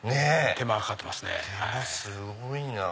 手間すごいなぁ。